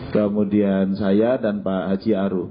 kemudian saya dan pak haji aru